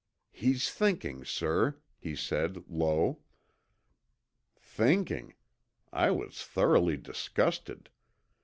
"He's thinking, sir," he said low. Thinking! I was thoroughly disgusted.